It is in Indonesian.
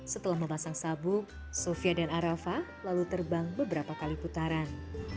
setelah memasang sabuk sofia dan arafah lalu terbang beberapa kali putaran